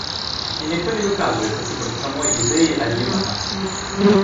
І ніхто не выказваецца супраць самой ідэі адзінага.